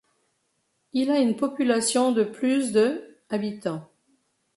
Il a une population de plus de habitants.